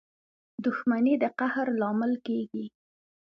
• دښمني د قهر لامل کېږي.